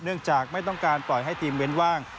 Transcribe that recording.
จากไม่ต้องการปล่อยให้ทีมเว้นว่าง